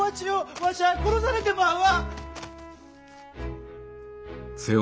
わしゃ殺されてまうわ！